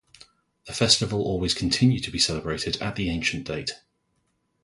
The festival always continued to be celebrated at the ancient date.